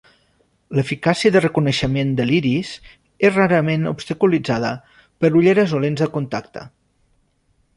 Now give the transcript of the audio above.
L'eficàcia del reconeixement de l'iris és rarament obstaculitzada per ulleres o lents de contacte.